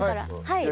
はい。